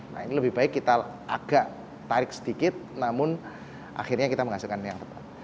nah ini lebih baik kita agak tarik sedikit namun akhirnya kita menghasilkan yang tepat